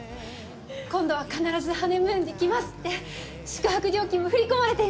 今度は必ずハネムーンで来ますって宿泊料金も振り込まれていました。